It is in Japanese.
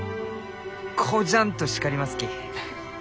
こじゃんと叱りますき。